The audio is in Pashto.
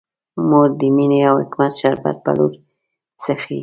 مور د مینې او حکمت شربت په لور څښي.